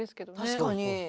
確かに。